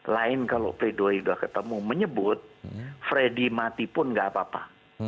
lain kalau pleidoy sudah ketemu menyebut freddy mati pun nggak apa apa